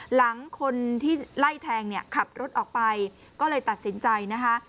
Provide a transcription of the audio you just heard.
หลังคนที่ไล่แทงเนี่ยขับรถออกไปก็เลยตัดสินใจนะคะ